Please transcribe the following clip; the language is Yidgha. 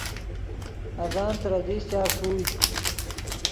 اڤن ترے دیشچا ݰوئے